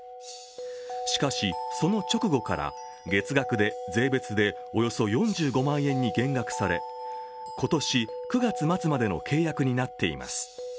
しかし、その直後から月額で税別でおよそ４５万円に減額され今年９月末までの契約になっています。